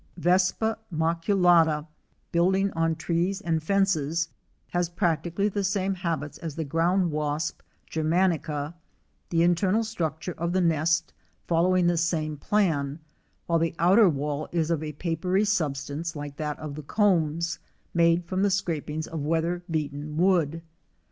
Vespa maculata, building on trees and fences, has practically the same habits as the ground wasp, german ica, the internal structure of the nest following the same plan, while the outer wall is of a papery substance like that of the combs, made from the scrapings of weather beaten wood.